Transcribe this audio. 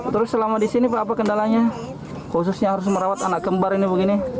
terus selama di sini pak apa kendalanya khususnya harus merawat anak kembar ini begini